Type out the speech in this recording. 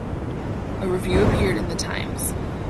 A review appeared in "The Times".